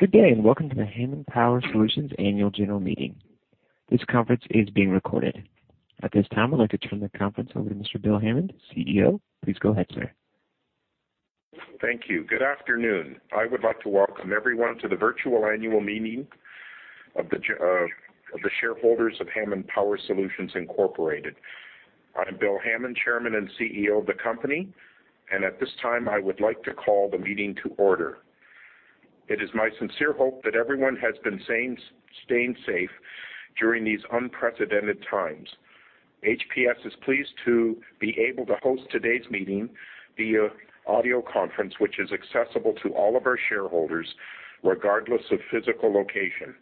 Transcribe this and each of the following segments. Good day, welcome to the Hammond Power Solutions Annual General Meeting. This conference is being recorded. At this time, I'd like to turn the conference over to Mr. Bill Hammond, CEO. Please go ahead, sir. Thank you. Good afternoon. I would like to welcome everyone to the virtual annual meeting of the shareholders of Hammond Power Solutions Incorporated. I'm Bill Hammond, Chairman and CEO of the company, and at this time, I would like to call the meeting to order. It is my sincere hope that everyone has been staying safe during these unprecedented times. HPS is pleased to be able to host today's meeting via audio conference, which is accessible to all of our shareholders, regardless of physical location.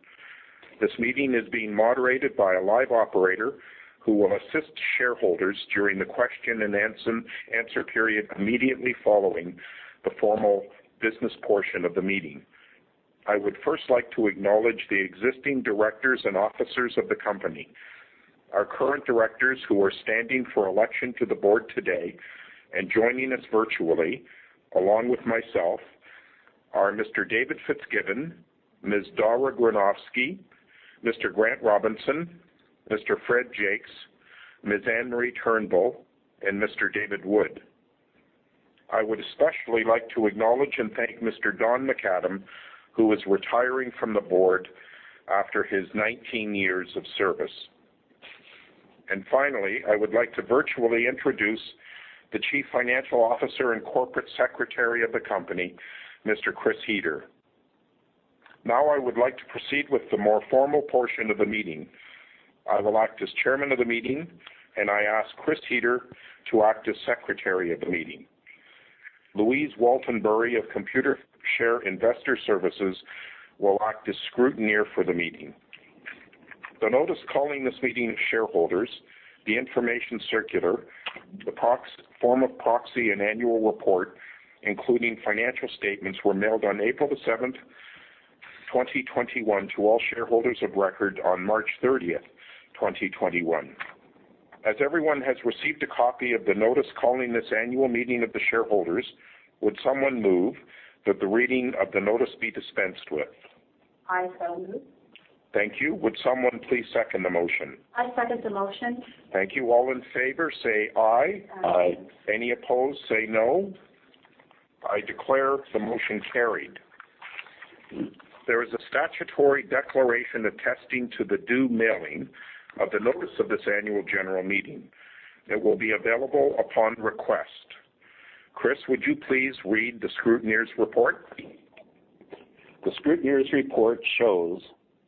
This meeting is being moderated by a live operator who will assist shareholders during the question-and-answer period immediately following the formal business portion of the meeting. I would first like to acknowledge the existing directors and officers of the company. Our current directors who are standing for election to the board today and joining us virtually, along with myself, are Mr. David Fitzgibbon, Ms. Dahra Granovsky, Mr. Grant Robinson, Mr. Fred Jaques, Ms. Anne Marie Turnbull, and Mr. David Wood. I would especially like to acknowledge and thank Mr. Don MacAdam, who is retiring from the board after his 19 years of service. Finally, I would like to virtually introduce the Chief Financial Officer and Corporate Secretary of the company, Mr. Chris Huether. Now I would like to proceed with the more formal portion of the meeting. I will act as chairman of the meeting, and I ask Chris Huether to act as secretary of the meeting. Louise Walton Bury of Computershare Investor Services will act as scrutineer for the meeting. The notice calling this meeting of shareholders, the information circular, the form of proxy, and the annual report, including financial statements, were mailed on April 7th, 2021, to all shareholders of record on March 30th, 2021. As everyone has received a copy of the notice calling this annual meeting of the shareholders, would someone move that the reading of the notice be dispensed with? I so move. Thank you. Would someone please second the motion? I second the motion. Thank you. All in favor say aye. Aye. Any opposed, say no. I declare the motion carried. There is a statutory declaration attesting to the due mailing of the notice of this annual general meeting that will be available upon request. Chris, would you please read the scrutineer's report? The scrutineer's report shows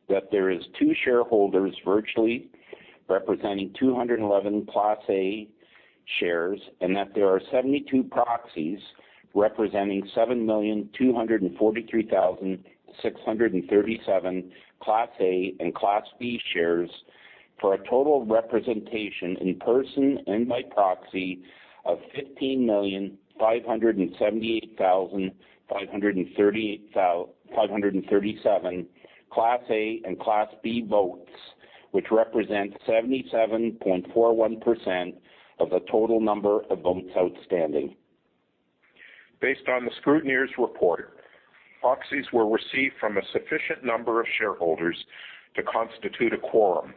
that there is two shareholders virtually representing 211 Class A shares and that there are 72 proxies representing 7,243,637 Class A and Class B shares for a total representation in person and by proxy of 15,578,537 Class A and Class B votes, which represents 77.41% of the total number of votes outstanding. Based on the scrutineer's report, proxies were received from a sufficient number of shareholders to constitute a quorum.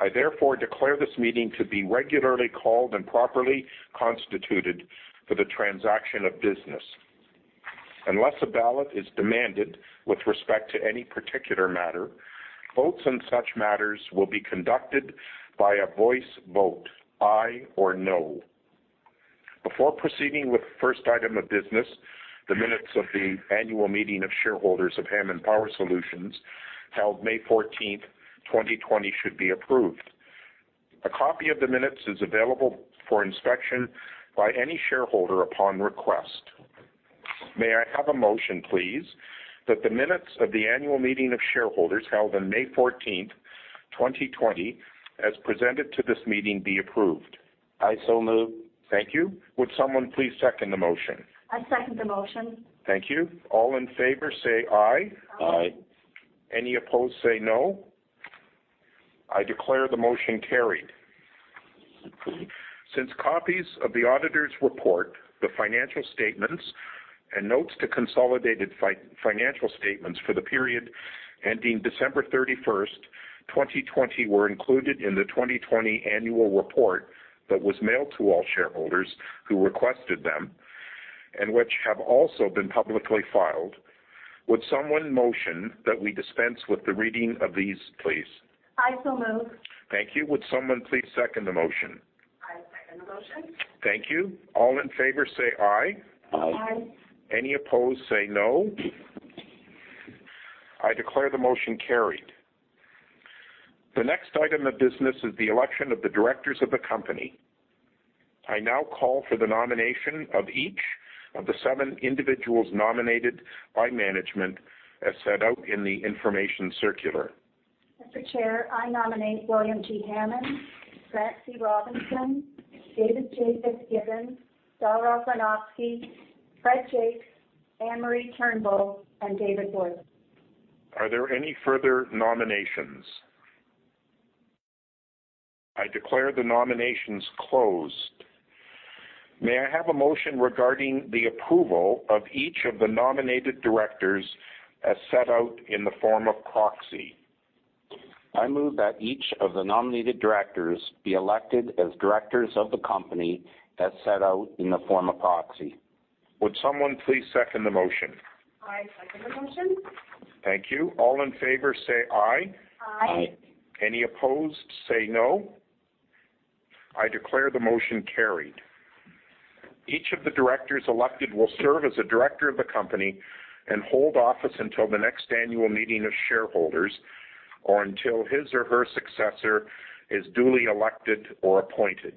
I therefore declare this meeting to be regularly called and properly constituted for the transaction of business. Unless a ballot is demanded with respect to any particular matter, votes on such matters will be conducted by a voice vote, aye or no. Before proceeding with the first item of business, the minutes of the annual meeting of shareholders of Hammond Power Solutions held May 14th, 2020, should be approved. A copy of the minutes is available for inspection by any shareholder upon request. May I have a motion, please, that the minutes of the annual meeting of shareholders held on May 14th, 2020, as presented to this meeting, be approved. I so move. Thank you. Would someone please second the motion? I second the motion. Thank you. All in favor say aye. Aye. Any opposed say no. I declare the motion carried. Since copies of the auditor's report, the financial statements, and notes to consolidated financial statements for the period ending December 31st, 2020, were included in the 2020 annual report that was mailed to all shareholders who requested them and which have also been publicly filed, would someone motion that we dispense with the reading of these, please? I so move. Thank you. Would someone please second the motion? I second the motion. Thank you. All in favor say aye. Aye. Any opposed say no. I declare the motion carried. The next item of business is the election of the Directors of the company. I now call for the nomination of each of the seven individuals nominated by management as set out in the information circular. Mr. Chair, I nominate William G. Hammond, Grant C. Robinson, David J. Fitzgibbon, Dahra Granovsky, Fred Jaques, Anne Marie Turnbull, and David Wood. Are there any further nominations? Declare the nominations closed. May I have a motion regarding the approval of each of the nominated directors as set out in the form of proxy? I move that each of the nominated directors be elected as directors of the company as set out in the form of proxy. Would someone please second the motion? I second the motion. Thank you. All in favor, say aye. Aye. Aye. Any opposed, say no. I declare the motion carried. Each of the directors elected will serve as a director of the company and hold office until the next annual meeting of shareholders, or until his or her successor is duly elected or appointed.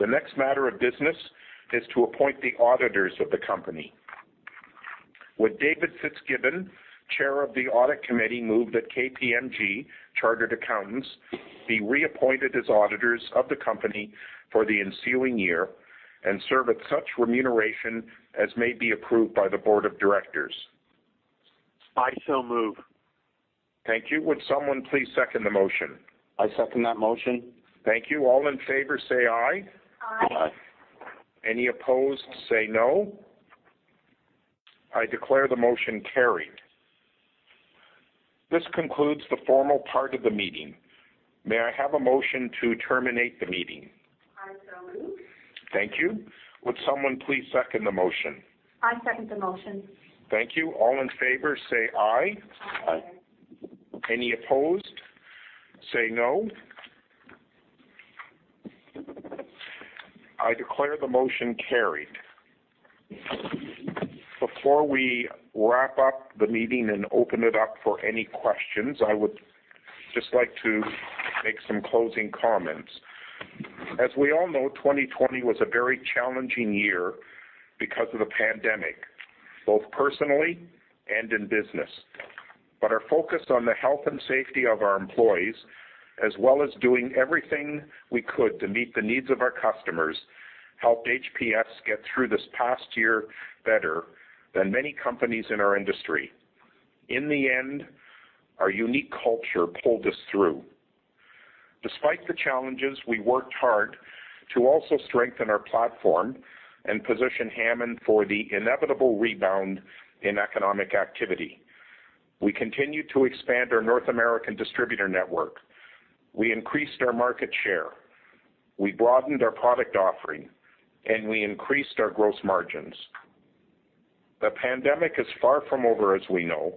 The next matter of business is to appoint the auditors of the company. Would David Fitzgibbon, Chair of the Audit Committee, move that KPMG Chartered Accountants be reappointed as auditors of the company for the ensuing year and serve at such remuneration as may be approved by the board of directors? I so move. Thank you. Would someone please second the motion? I second that motion. Thank you. All in favor, say aye. Aye. Aye. Any opposed, say no. I declare the motion carried. This concludes the formal part of the meeting. May I have a motion to terminate the meeting? I so move. Thank you. Would someone please second the motion? I second the motion. Thank you. All in favor, say aye. Aye. Any opposed, say no. I declare the motion carried. Before we wrap up the meeting and open it up for any questions, I would just like to make some closing comments. As we all know, 2020 was a very challenging year because of the pandemic, both personally and in business. Our focus on the health and safety of our employees, as well as doing everything we could to meet the needs of our customers, helped HPS get through this past year better than many companies in our industry. In the end, our unique culture pulled us through. Despite the challenges, we worked hard to also strengthen our platform and position Hammond for the inevitable rebound in economic activity. We continued to expand our North American distributor network. We increased our market share. We broadened our product offering, and we increased our gross margins. The pandemic is far from over, as we know,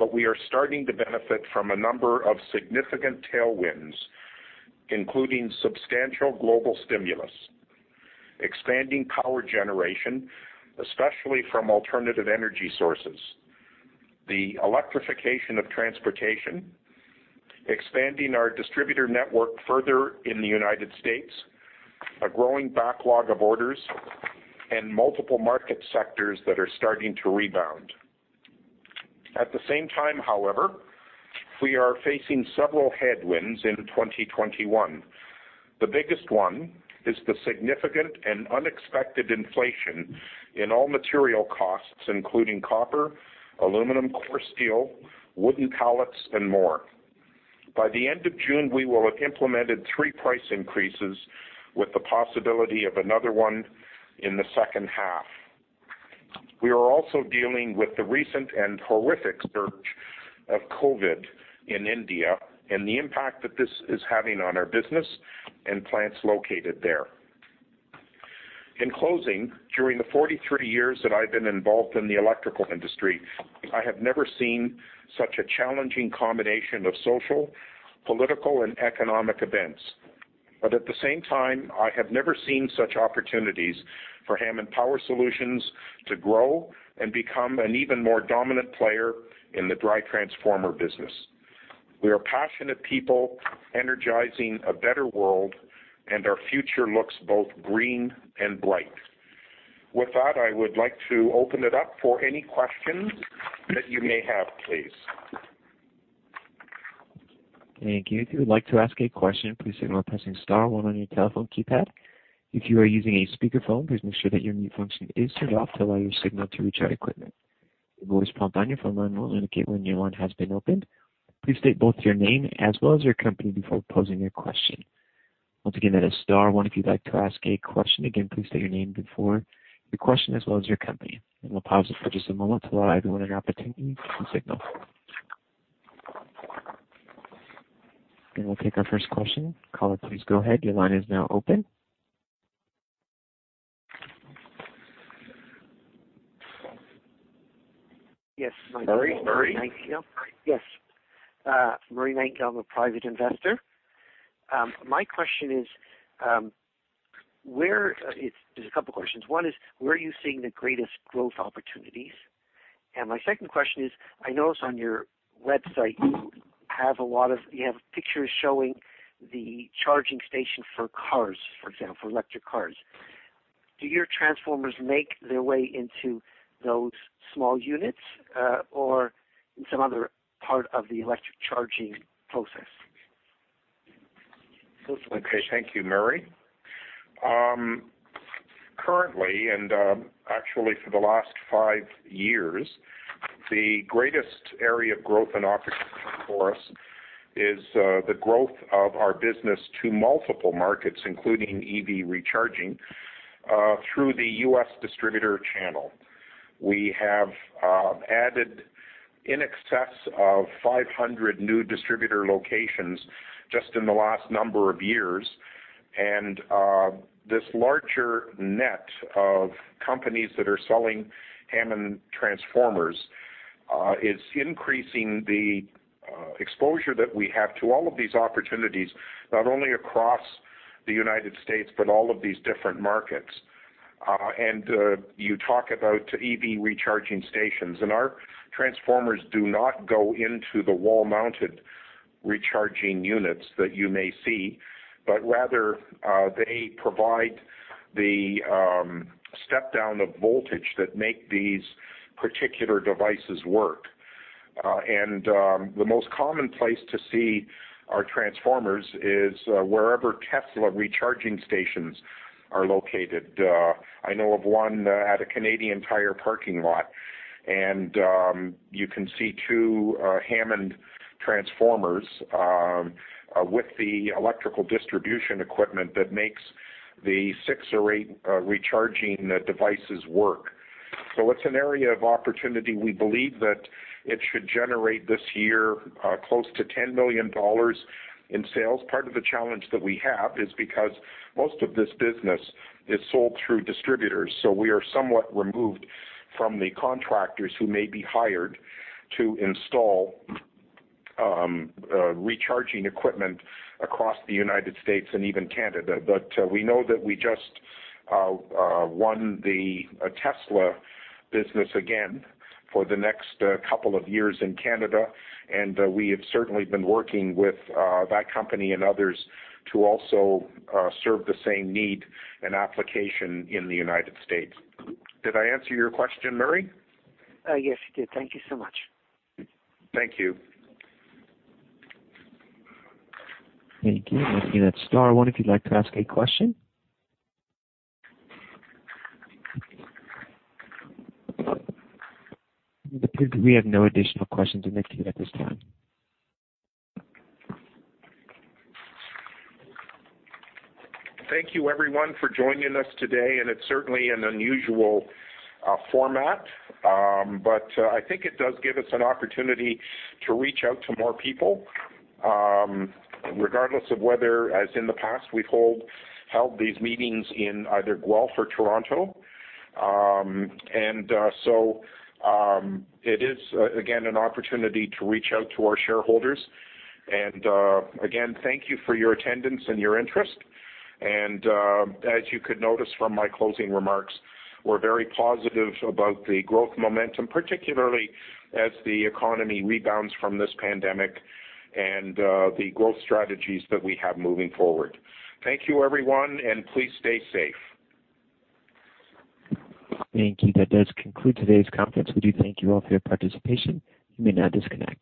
but we are starting to benefit from a number of significant tailwinds, including substantial global stimulus, expanding power generation, especially from alternative energy sources, the electrification of transportation, expanding our distributor network further in the United States, a growing backlog of orders, and multiple market sectors that are starting to rebound. At the same time, however, we are facing several headwinds into 2021. The biggest one is the significant and unexpected inflation in all material costs, including copper, aluminum, core steel, wooden pallets, and more. By the end of June, we will have implemented three price increases with the possibility of another one in the second half. We are also dealing with the recent and horrific surge of COVID in India and the impact that this is having on our business and plants located there. In closing, during the 43 years that I've been involved in the electrical industry, I have never seen such a challenging combination of social, political, and economic events. At the same time, I have never seen such opportunities for Hammond Power Solutions to grow and become an even more dominant player in the dry-type transformer business. We are passionate people energizing a better world, and our future looks both green and bright. With that, I would like to open it up for any questions that you may have, please. Thank you. If you would like to ask a question, please signal by pressing star one on your telephone keypad. If you are using a speakerphone, please make sure that your mute function is turned off to allow your signal to reach our equipment. A voice prompt on your phone line will indicate when your line has been opened. Please state both your name as well as your company before posing your question. Once again, that is star one if you'd like to ask a question. Again, please state your name before your question, as well as your company. We'll pause it for just a moment to allow everyone an opportunity to signal. We'll take our first question. Caller, please go ahead. Your line is now open. Yes, Murray. Murray? Yes. Murray Nightingale, I'm a private investor. My question is, there's a couple of questions. One is, where are you seeing the greatest growth opportunities? My second question is, I notice on your website you have pictures showing the charging station for cars, for example, electric cars. Do your transformers make their way into those small units or in some other part of the electric charging process? Okay. Thank you, Murray. Currently, and actually for the last five years, the greatest area of growth and opportunity for us is the growth of our business to multiple markets, including EV recharging, through the U.S. distributor channel. We have added in excess of 500 new distributor locations just in the last number of years. This larger net of companies that are selling Hammond transformers is increasing the exposure that we have to all of these opportunities, not only across the United States, but all of these different markets. You talk about EV recharging stations, and our transformers do not go into the wall-mounted recharging units that you may see, but rather, they provide the step-down of voltage that make these particular devices work. The most common place to see our transformers is wherever Tesla recharging stations are located. I know of one at a Canadian Tire parking lot. You can see two Hammond transformers with the electrical distribution equipment that makes the six or eight recharging devices work. It's an area of opportunity. We believe that it should generate, this year, close to 10 million dollars in sales. Part of the challenge that we have is because most of this business is sold through distributors, so we are somewhat removed from the contractors who may be hired to install recharging equipment across the United States and even Canada. We know that we just won the Tesla business again for the next couple of years in Canada, and we have certainly been working with that company and others to also serve the same need and application in the United States. Did I answer your question, Murray? Yes, you did. Thank you so much. Thank you. Thank you. Once again, that's star one if you'd like to ask a question. It appears we have no additional questions in the queue at this time. Thank you, everyone, for joining us today, and it's certainly an unusual format. I think it does give us an opportunity to reach out to more people, regardless of whether, as in the past, we've held these meetings in either Guelph or Toronto. It is, again, an opportunity to reach out to our shareholders. Again, thank you for your attendance and your interest. As you could notice from my closing remarks, we're very positive about the growth momentum, particularly as the economy rebounds from this pandemic, and the growth strategies that we have moving forward. Thank you, everyone, and please stay safe. Thank you. That does conclude today's conference. We do thank you all for your participation. You may now disconnect.